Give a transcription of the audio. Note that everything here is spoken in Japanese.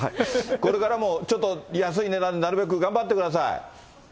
これからもちょっと、安い値段、なるべく頑張ってください。